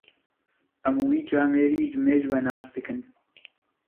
Em wî camêrî ji mêj ve nasdikin.